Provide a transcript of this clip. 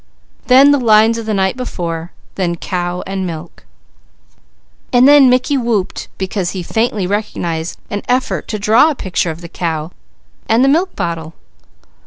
Then the lines of the night before, then "cow" and "milk." And then Mickey whooped because he faintly recognized an effort to draw a picture of the cow and the milk bottle.